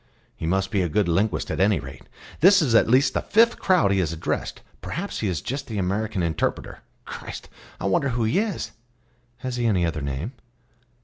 "He must be a good linguist, at any rate. This is at least the fifth crowd he has addressed; perhaps he is just the American interpreter. Christ! I wonder who he is." "Has he any other name?"